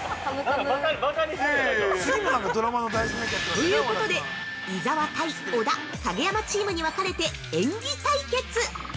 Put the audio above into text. ◆ということで、伊沢対小田・影山チームに分かれて、演技対決！